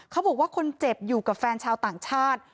เขาบอกว่าคนเจ็บอยู่กับแฟนชาวต่างชาติ